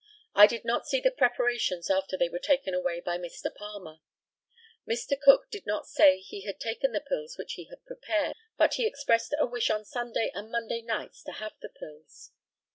I did not see the preparations after they were taken away by Mr. Palmer. Mr. Cook did not say he had taken the pills which he had prepared, but he expressed a wish on Sunday and Monday nights to have the pills.